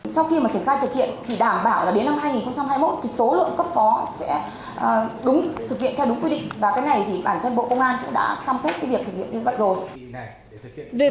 sau khi mà triển khai thực hiện thì đảm bảo là đến năm hai nghìn hai mươi một thì số lượng cấp phó sẽ thực hiện theo đúng quy định và cái này thì bản thân bộ công an cũng đã cam kết cái việc thực hiện như vậy rồi